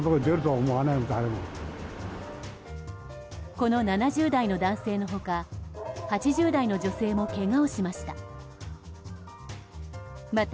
この７０代の男性の他８０代の女性もけがをしました。